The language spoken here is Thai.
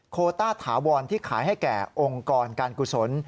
โคต้าถาวรที่ขายให้แก่องค์กรการกุศล